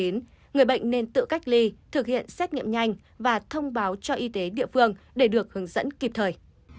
người bệnh nên tự cách ly thực hiện xét nghiệm nhanh và thông báo cho y tế địa phương để được hướng dẫn kịp thời